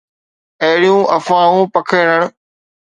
اهڙيون افواهون پکيڙڻ